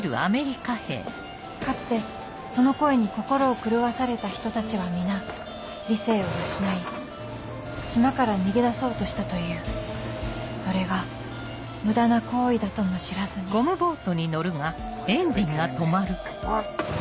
かつてその声に心を狂わされた人たちは皆理性を失い島から逃げ出そうとしたというそれが無駄な行為だとも知らずに英語ハッ！